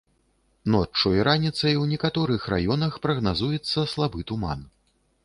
Ноччу і раніцай у некаторых раёнах прагназуецца слабы туман.